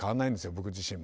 僕自身も。